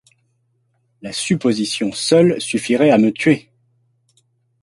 La supposition seule suffirait à me tuer!